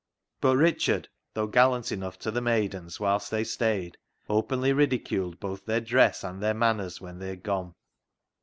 But Richard, though gallant enough to the maidens whilst they stayed, openly ridiculed both their dress and their manners when they had gone.